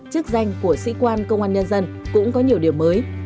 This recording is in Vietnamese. chức danh của sĩ quan công an nhân dân cũng có nhiều điểm mới